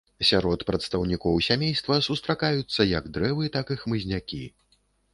Сярод прадстаўнікоў сямейства сустракаюцца як дрэвы, так і хмызнякі.